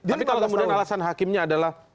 tapi kalau kemudian alasan hakimnya adalah